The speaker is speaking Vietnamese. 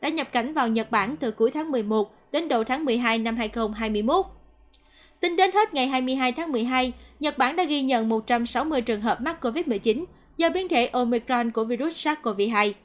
ngày hai mươi hai tháng một mươi hai nhật bản đã ghi nhận một trăm sáu mươi trường hợp mắc covid một mươi chín do biến thể omicron của virus sars cov hai